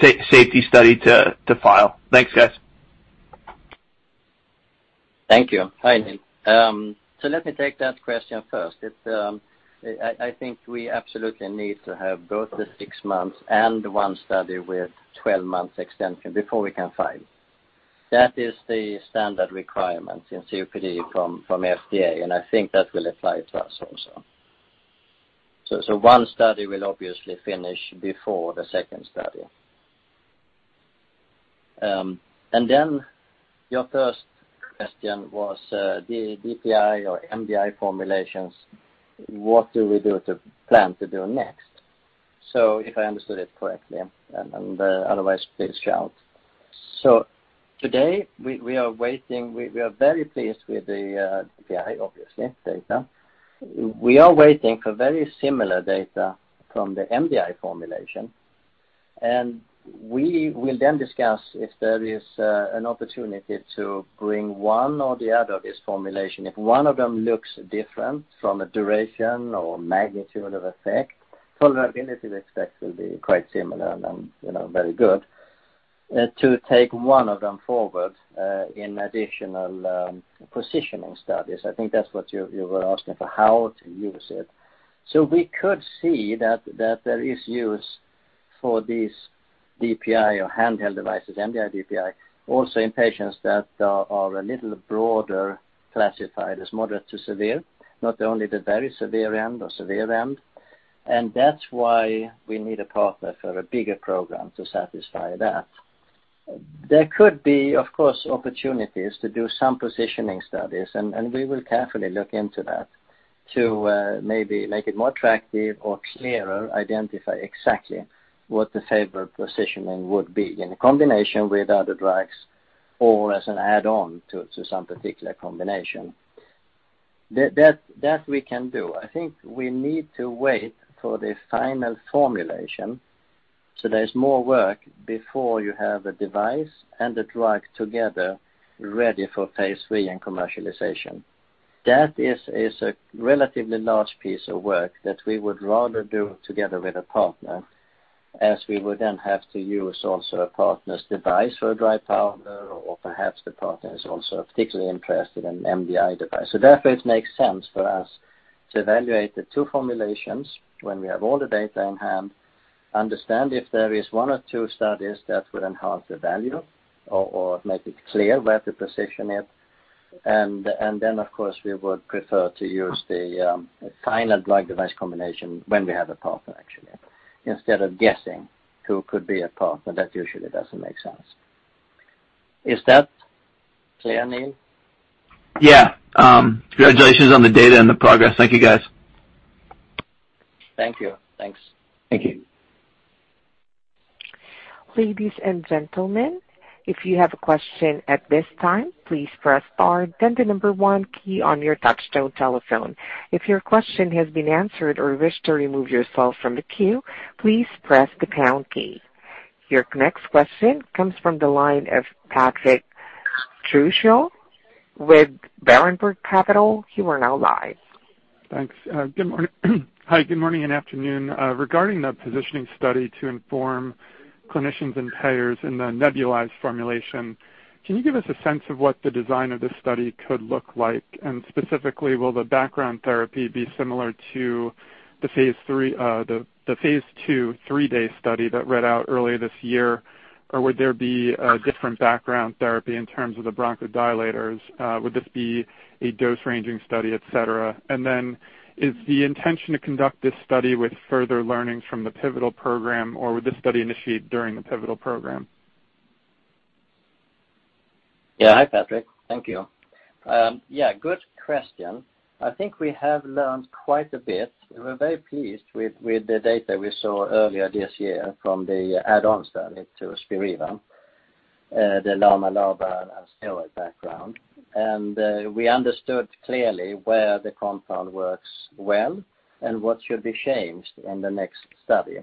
safety study to file? Thanks, guys. Thank you. Hi, Neil. Let me take that question first. I think we absolutely need to have both the six months and one study with 12 months extension before we can file. That is the standard requirement in COPD from FDA, and I think that will apply to us also. One study will obviously finish before the second study. Your first question was the DPI or MDI formulations, what do we do to plan to do next? If I understood it correctly, and otherwise, please shout. Today, we are very pleased with the DPI, obviously, data. We are waiting for very similar data from the MDI formulation, and we will then discuss if there is an opportunity to bring one or the other of this formulation. If one of them looks different from a duration or magnitude of effect, tolerability we expect will be quite similar and very good to take one of them forward in additional positioning studies. I think that's what you were asking for, how to use it. We could see that there is use for these DPI or handheld devices, MDI, DPI, also in patients that are a little broader classified as moderate to severe, not only the very severe end or severe end. That's why we need a partner for a bigger program to satisfy that. There could be, of course, opportunities to do some positioning studies, and we will carefully look into that to maybe make it more attractive or clearer, identify exactly what the favored positioning would be in combination with other drugs or as an add-on to some particular combination. That we can do. I think we need to wait for the final formulation, so there's more work before you have a device and a drug together ready for phase III and commercialization. That is a relatively large piece of work that we would rather do together with a partner, as we would then have to use also a partner's device for a dry powder, or perhaps the partner is also particularly interested in MDI device. Therefore, it makes sense for us to evaluate the two formulations when we have all the data in hand, understand if there is one or two studies that would enhance the value or make it clear where to position it. Then, of course, we would prefer to use the final drug device combination when we have a partner, actually, instead of guessing who could be a partner. That usually doesn't make sense. Is that clear, Neil? Yeah. Congratulations on the data and the progress. Thank you, guys. Thank you. Thanks. Thank you. Ladies and gentlemen, if you have a question at this time, please press star, then the number 1 key on your touchtone telephone. If your question has been answered or wish to remove yourself from the queue, please press the pound key. Your next question comes from the line of Patrick Trucchio with Berenberg Capital. You are now live. Thanks. Hi, good morning and afternoon. Regarding the positioning study to inform clinicians and payers in the nebulized formulation, can you give us a sense of what the design of this study could look like? Specifically, will the background therapy be similar to the phase II, three-day study that read out earlier this year, or would there be a different background therapy in terms of the bronchodilators? Would this be a dose-ranging study, et cetera? Is the intention to conduct this study with further learnings from the pivotal program, or would this study initiate during the pivotal program? Hi, Patrick. Thank you. Good question. I think we have learned quite a bit. We're very pleased with the data we saw earlier this year from the add-on study to Spiriva, the LAMA, LABA as background. We understood clearly where the compound works well and what should be changed in the next study.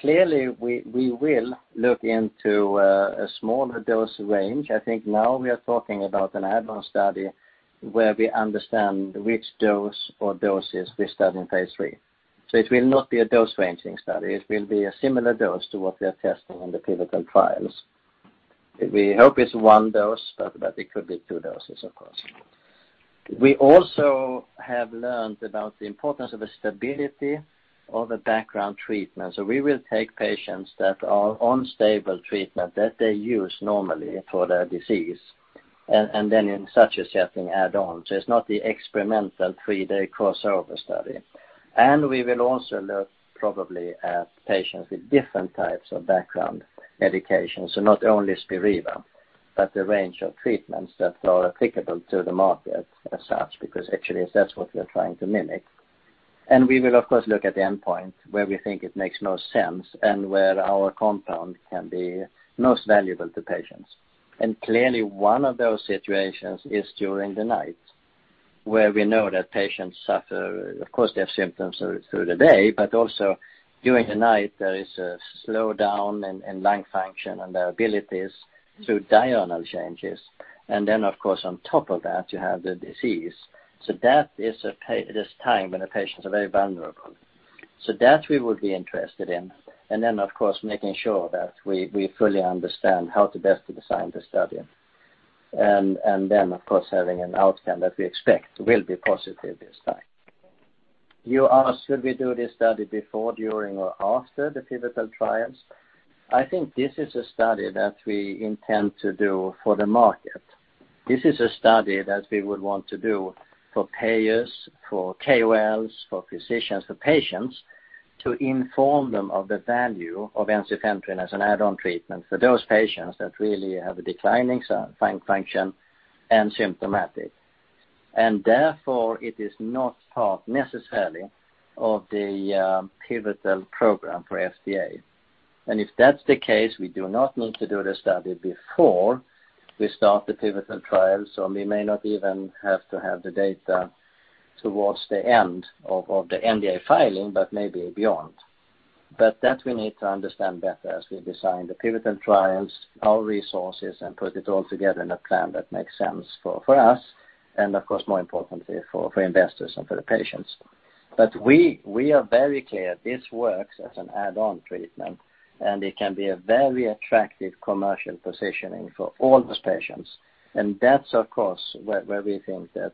Clearly we will look into a smaller dose range. I think now we are talking about an add-on study where we understand which dose or doses we study in phase III. It will not be a dose-ranging study. It will be a similar dose to what we are testing in the pivotal trials. We hope it's one dose, but it could be two doses, of course. We also have learned about the importance of the stability of the background treatment. We will take patients that are on stable treatment that they use normally for their disease, then in such a setting add-on. It's not the experimental three-day crossover study. We will also look probably at patients with different types of background medications. Not only Spiriva, but the range of treatments that are applicable to the market as such, because actually, that's what we're trying to mimic. We will, of course, look at the endpoint where we think it makes most sense and where our compound can be most valuable to patients. Clearly one of those situations is during the night, where we know that patients suffer. Of course, they have symptoms through the day, but also during the night, there is a slowdown in lung function and their abilities through diurnal changes. Then, of course, on top of that, you have the disease. That is time when the patients are very vulnerable. That we would be interested in. Then, of course, making sure that we fully understand how to best design the study. Then, of course, having an outcome that we expect will be positive this time. You asked, should we do this study before, during, or after the pivotal trials? I think this is a study that we intend to do for the market. This is a study that we would want to do for payers, for KOLs, for physicians, for patients to inform them of the value of ensifentrine as an add-on treatment for those patients that really have a declining lung function and symptomatic. Therefore, it is not part necessarily of the pivotal program for FDA. If that's the case, we do not need to do the study before we start the pivotal trial. We may not even have to have the data towards the end of the NDA filing, but maybe beyond. That we need to understand better as we design the pivotal trials, our resources, and put it all together in a plan that makes sense for us and, of course, more importantly, for investors and for the patients. We are very clear this works as an add-on treatment, and it can be a very attractive commercial positioning for all those patients. That's, of course, where we think that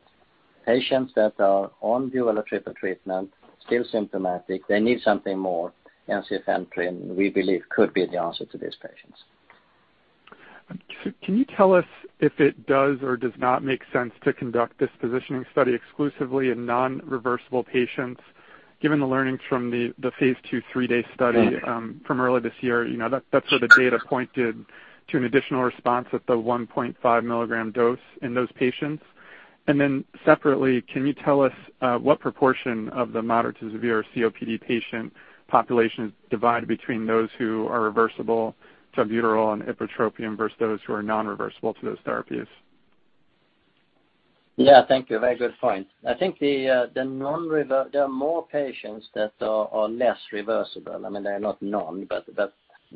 patients that are on dual or triple treatment still symptomatic, they need something more. ensifentrine, we believe, could be the answer to these patients. Can you tell us if it does or does not make sense to conduct this positioning study exclusively in non-reversible patients? Given the learnings from the phase II, three-day study from earlier this year, that's where the data pointed to an additional response at the 1.5 milligram dose in those patients. Separately, can you tell us what proportion of the moderate to severe COPD patient population is divided between those who are reversible to albuterol and ipratropium versus those who are non-reversible to those therapies? Yeah, thank you. Very good point. I think there are more patients that are less reversible. I mean, they are not none, but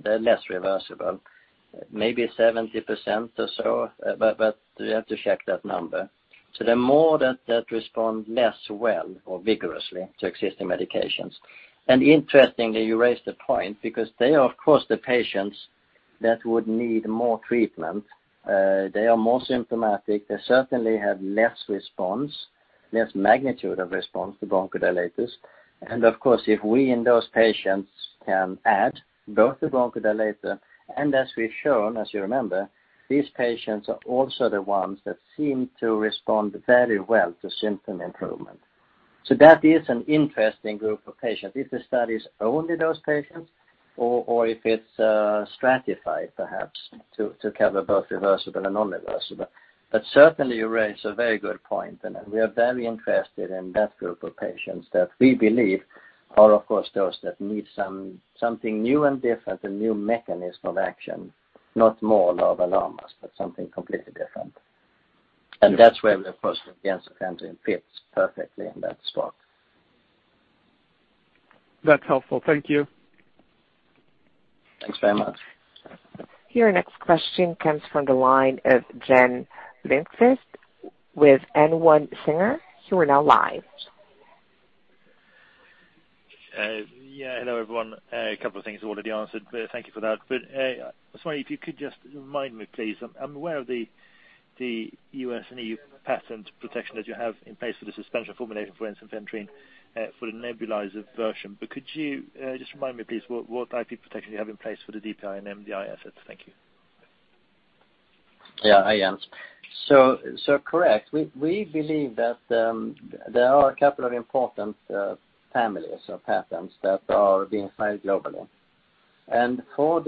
they're less reversible. Maybe 70% or so, but we have to check that number. They're more that respond less well or vigorously to existing medications. Interestingly, you raised the point because they are, of course, the patients that would need more treatment. They are more symptomatic. They certainly have less response, less magnitude of response to bronchodilators. Of course, if we in those patients can add both the bronchodilator, and as we've shown, as you remember, these patients are also the ones that seem to respond very well to symptom improvement. That is an interesting group of patients. If the study is only those patients, or if it's stratified perhaps to cover both reversible and non-reversible. Certainly you raise a very good point, and we are very interested in that group of patients that we believe are, of course, those that need something new and different, a new mechanism of action, not more long, but something completely different. That's where, of course, the ensifentrine fits perfectly in that spot. That's helpful. Thank you. Thanks very much. Your next question comes from the line of Jen Lindquist with N+1 Singer. You are now live. Yeah. Hello, everyone. A couple of things already answered, thank you for that. I was wondering if you could just remind me, please. I'm aware of the U.S. and E.U. patent protection that you have in place for the suspension formulation for ensifentrine for the nebulizer version. Could you just remind me, please, what IP protection you have in place for the DPI and MDI assets? Thank you. Yeah, I answer. Correct. We believe that there are a couple of important families of patents that are being filed globally. For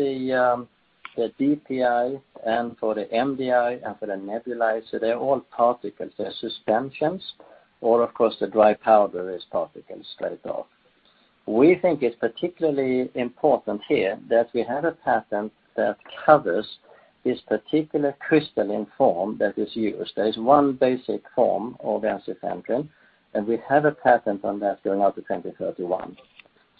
the DPI and for the MDI and for the nebulizer, they're all particles. They're suspensions, or of course, the dry powder is particles straight off. We think it's particularly important here that we have a patent that covers this particular crystalline form that is used. There is one basic form of ensifentrine, and we have a patent on that going out to 2031.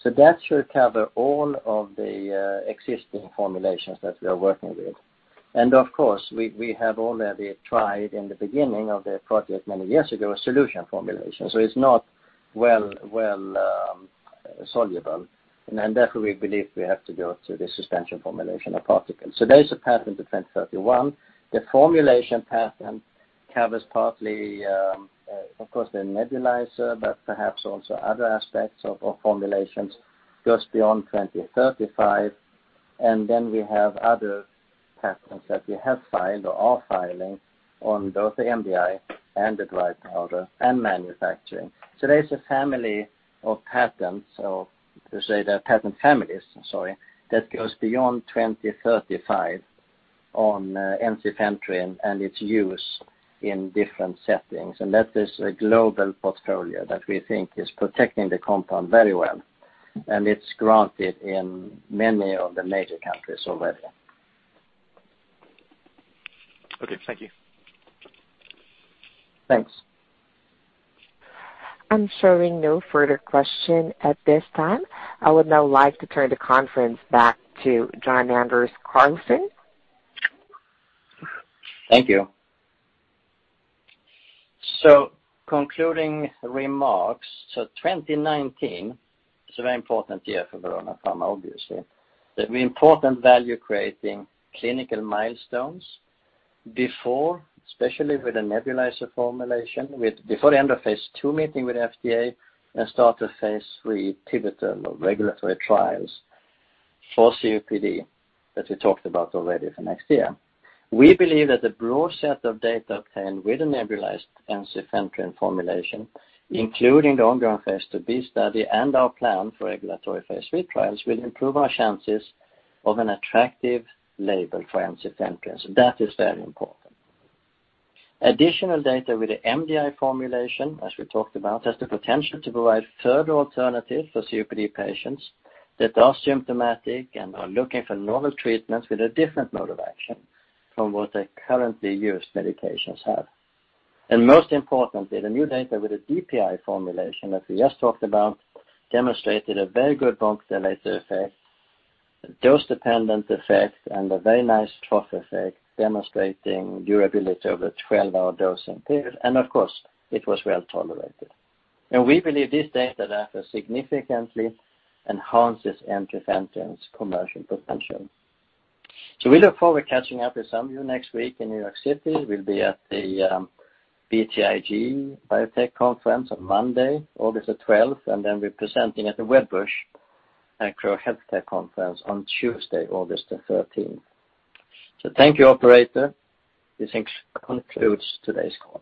That should cover all of the existing formulations that we are working with. Of course, we have already tried in the beginning of the project many years ago, a solution formulation. It's not well soluble, therefore we believe we have to go to the suspension formulation of particles. There is a patent to 2031. The formulation patent covers partly, of course, the nebulizer, but perhaps also other aspects of formulations goes beyond 2035. Then we have other patents that we have filed or are filing on both the MDI and the dry powder and manufacturing. There's a family of patents, or to say they're patent families, I'm sorry, that goes beyond 2035 on ensifentrine and its use in different settings. That is a global portfolio that we think is protecting the compound very well. It's granted in many of the major countries already. Okay. Thank you. Thanks. I'm showing no further question at this time. I would now like to turn the conference back to Jan-Anders Karlsson. Thank you. Concluding remarks. 2019 is a very important year for Verona Pharma, obviously. There'll be important value-creating clinical milestones. Before, especially with the nebulizer formulation, before the end of phase II meeting with FDA, and start of phase III pivotal regulatory trials for COPD that we talked about already for next year. We believe that the broad set of data obtained with the nebulized ensifentrine formulation, including the ongoing phase IIb study and our plan for regulatory phase III trials, will improve our chances of an attractive label for ensifentrine. That is very important. Additional data with the MDI formulation, as we talked about, has the potential to provide further alternatives for COPD patients that are symptomatic and are looking for novel treatments with a different mode of action from what their currently used medications have. Most importantly, the new data with the DPI formulation, as we just talked about, demonstrated a very good bronchodilator effect, a dose-dependent effect, and a very nice trough effect demonstrating durability over the 12-hour dosing period. Of course, it was well-tolerated. We believe this data therefore significantly enhances ensifentrine's commercial potential. We look forward to catching up with some of you next week in New York City. We'll be at the BTIG Biotech Conference on Monday, August 12th, and then we're presenting at the Wedbush Healthcare Conference on Tuesday, August 13th. Thank you, operator. This concludes today's call.